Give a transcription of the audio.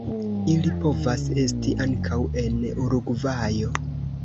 Ili povas esti ankaŭ en Urugvajo.